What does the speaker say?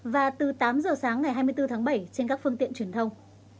và từ tám giờ sáng ngày hai mươi bốn tháng bảy trên các phương tiện truyền thông